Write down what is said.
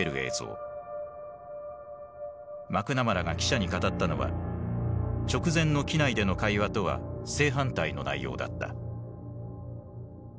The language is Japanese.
マクナマラが記者に語ったのは直前の機内での会話とは正反対の内容だった。